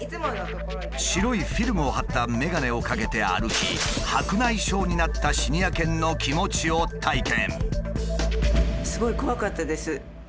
白いフィルムを貼った眼鏡をかけて歩き白内障になったシニア犬の気持ちを体験。